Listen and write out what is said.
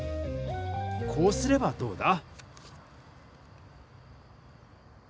こうすればどうだ？